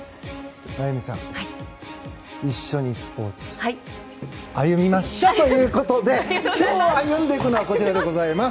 歩美さん、一緒にスポーツ歩みましょう！ということで今日、歩んでいくのはこちらでございます。